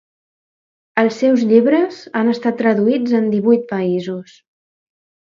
Els seus llibres han estat traduïts en divuit països.